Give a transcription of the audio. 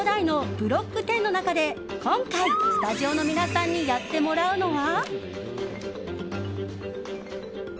ブロック１０の中で今回、スタジオの皆さんにやってもらうのは。